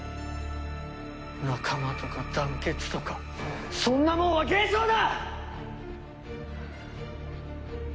仲間とか団結とかそんなもんは幻想だ！！